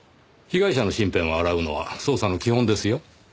被害者の身辺を洗うのは捜査の基本ですよ。